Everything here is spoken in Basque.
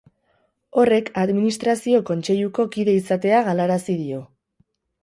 Horrek administrazio kontseiluko kide izatea galarazi dio.